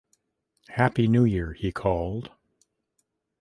“Happy New Year,” he called.